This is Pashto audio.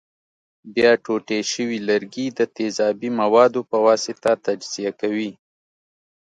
بیا ټوټې شوي لرګي د تیزابي موادو په واسطه تجزیه کوي.